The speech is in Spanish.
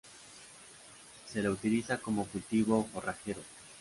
Se la utiliza como cultivo forrajero.